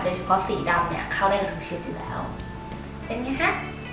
โดยเฉพาะสีดำเนี่ยเข้าได้กับทุกชุดอยู่แล้วเป็นอย่างนี้ค่ะ